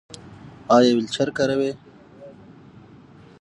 ایا ویلچیر کاروئ؟